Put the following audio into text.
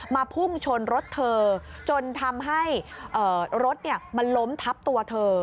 พุ่งชนรถเธอจนทำให้รถมันล้มทับตัวเธอ